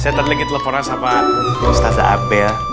saya tadi lagi nelfonan sama ustaz zabel